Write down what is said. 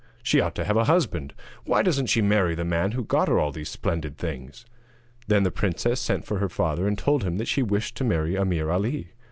She ought to have a husband why doesn't she marry the man who got her all these splendid things?' Then the princess sent for her father and told him that she wished to marry Ameer Ali.